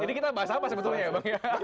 ini kita bahas apa sebetulnya ya bang ya